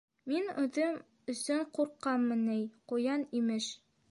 Мин үҙем өсөн ҡурҡаммы ни, ҡуян, имеш!